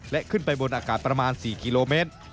และขึ้นไปบนอากาศประมาณ๔กิโลเมตร